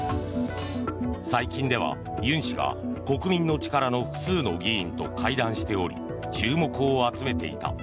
最近では、ユン氏が国民の力の複数の議員と会談しており注目を集めていた。